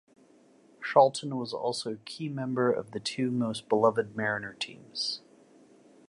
Charlton was also a key member of the two most beloved Mariner teams.